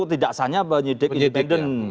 tidak sahnya penyidik independen